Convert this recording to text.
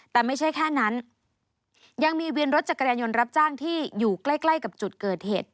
แต่ไม่ใช่แค่นั้นยังมีวินรถจักรยานยนต์รับจ้างที่อยู่ใกล้ใกล้กับจุดเกิดเหตุ